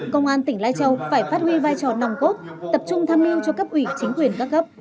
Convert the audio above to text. công an tỉnh lai châu phải phát huy vai trò nòng cốt tập trung tham mưu cho cấp ủy chính quyền các cấp